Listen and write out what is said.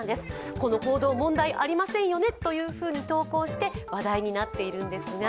この行動、問題ありませんよねと投稿して話題になっています。